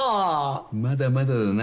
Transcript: まだまだだな。